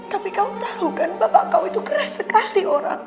tapi kau tahu kan bahwa bapak kau keras sekali orangnya